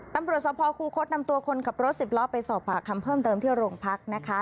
ตำรวจสภคูคศนำตัวคนขับรถสิบล้อไปสอบปากคำเพิ่มเติมที่โรงพักนะคะ